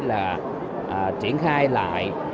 là triển khai lại